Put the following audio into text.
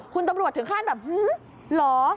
คุณตำรวจถึงข้ามแบบหื้อหรอ